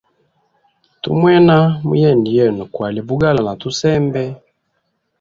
Tu mwena muyende yenu kwalya bugali na tusembe.